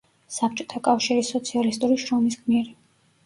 საბჭოთა კავშირის სოციალისტური შრომის გმირი.